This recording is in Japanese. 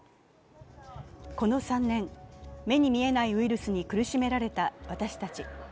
この３年、目に見えないウイルスに苦しめられた私たち。